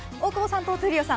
大久保さんと闘莉王さん